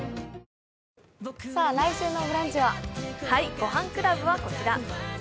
「ごはんクラブ」はこちら。